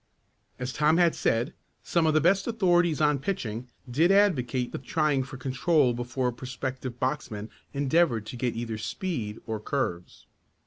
As Tom had said, some of the best authorities on pitching did advocate the trying for control before a prospective boxman endeavored to get either speed or curves.